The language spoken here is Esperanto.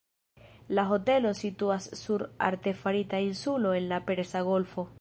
La hotelo situas sur artefarita insulo en la Persa Golfo.